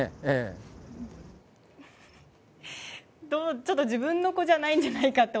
ちょっと自分の子供じゃないんじゃないかみたいな。